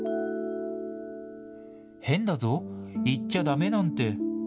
へんだぞ、行っちゃダメなんて。